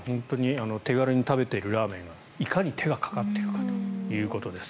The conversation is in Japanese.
手軽に食べているラーメンがいかに手がかかっているかということです。